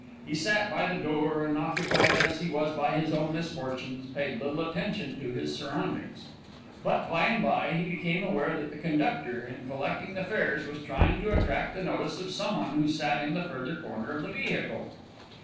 He sat by the door, and, occupied as he was by his own misfortunes, paid little attention to his surroundings. But by and by, he became aware that the conductor, in collecting the fares, was trying to attract the notice of some one who sat in the further corner of the vehicle.